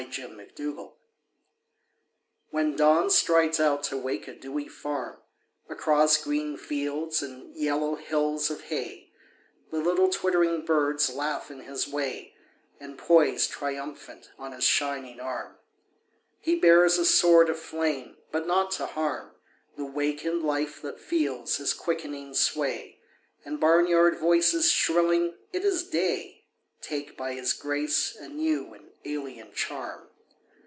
Alarm Clocks When Dawn strides out to wake a dewy farm Across green fields and yellow hills of hay The little twittering birds laugh in his way And poise triumphant on his shining arm. He bears a sword of flame but not to harm The wakened life that feels his quickening sway And barnyard voices shrilling "It is day!" Take by his grace a new and alien charm.